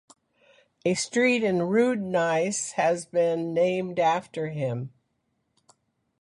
A street in Roudnice has been named after him.